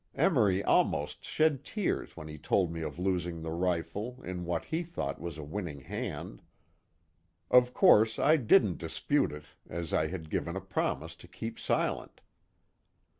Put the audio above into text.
Emory almost shed tears when he told me of losing the rifle in what he thought was a winning hand. Of course I didn't dispute it, as I had given a promise to keep silent.